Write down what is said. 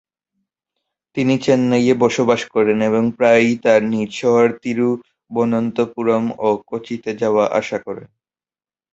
তিনি চেন্নাইয়ে বসবাস করেন, এবং প্রায়ই তার নিজ শহর তিরুবনন্তপুরম ও কোচিতে যাওয়া আসা করেন।